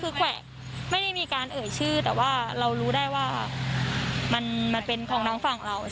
คือแขวะไม่ได้มีการเอ่ยชื่อแต่ว่าเรารู้ได้ว่ามันเป็นของน้องฝั่งเรา